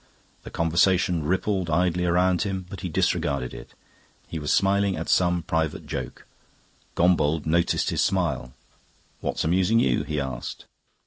The conversation rippled idly round him, but he disregarded it; he was smiling at some private joke. Gombauld noticed his smile. "What's amusing you?" he asked.